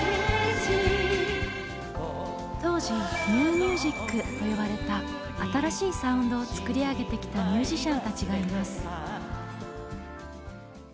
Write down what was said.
当時「ニューミュージック」と呼ばれた新しいサウンドを作り上げてきたミュージシャンたちがいます。